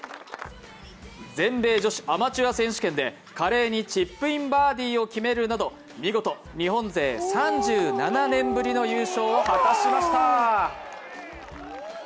全米女子アマチュア選手権で華麗にチップインバーディーを決めるなど見事日本勢３７年ぶりの優勝を果たしました。